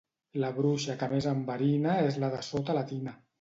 La bruixa que més enverina és la de sota la tina.